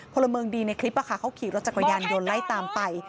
พลเมืองดีในคลิปเขาขี่รถจักรยานยนต์ไล่ตามไป